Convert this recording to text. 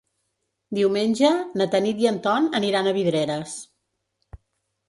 Diumenge na Tanit i en Ton aniran a Vidreres.